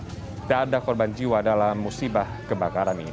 tidak ada korban jiwa dalam musibah kebakaran ini